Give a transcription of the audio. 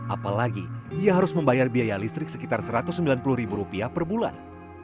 apalagi dia harus membayar biaya listrik sekitar rp satu ratus sembilan puluh per bulan